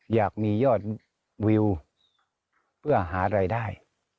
อยากมียอดวิวเพื่อหารายได้